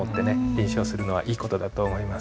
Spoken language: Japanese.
臨書をするのはいい事だと思います。